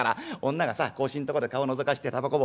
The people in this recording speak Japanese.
女がさ格子んとこで顔をのぞかして煙草盆